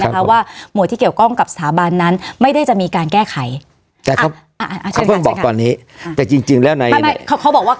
แต่จริงแล้วไม่เขาบอกว่า